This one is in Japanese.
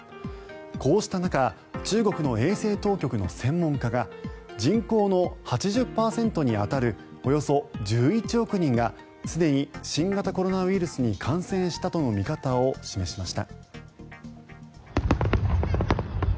こうした中中国の衛生当局の専門家が人口の８０％に当たるおよそ１１億人がすでに新型コロナウイルスに感染したとの見方を示しました。